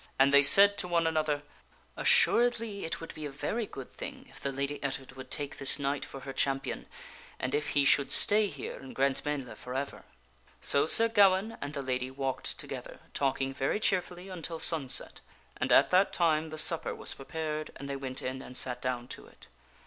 And they said to one another, " Assuredly it would be a very good thing if the Lady Ettard would take this knight for her champion, and if he should stay here in Grantmesnle forever." So Sir Gawaine and the lady walked together, talking very cheerfully, until sunset, and at that time the supper was prepared and they went in and sat down to it.